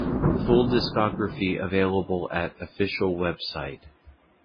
Full discography available at official website.